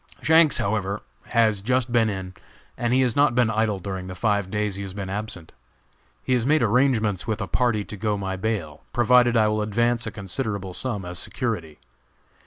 Shanks, however, has just been in, and he has not been idle during the five days he has been absent. He has made arrangements with a party to go my bail, provided I will advance a considerable sum as security.